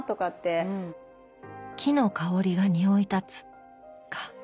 「木の香りがにおい立つ」か。